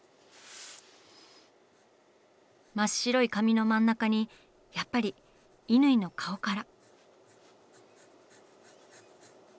真っ白い紙の真ん中にやっぱり乾の顔から。